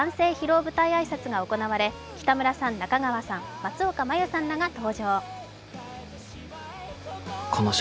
舞台挨拶が行われ、北村さん、中川さん、松岡茉優さんらが登場。